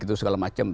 itu segala macam